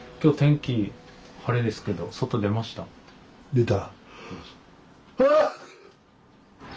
出た。